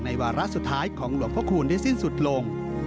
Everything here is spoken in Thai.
วาระสุดท้ายของหลวงพระคูณได้สิ้นสุดลง